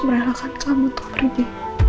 merelakan kamu untuk pergi